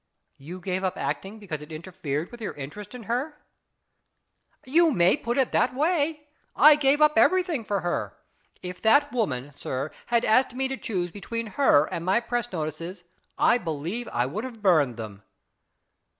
" You gave up acting because it interfered with your interest in her ?"" You may put it in that way. I gave up everything for her. If that woman, sir, had asked me to choose between her and my press notices, I believe I would have burned them."